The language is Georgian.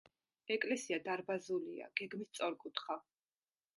ეკლესია დარბაზულია, გეგმით სწორკუთხა.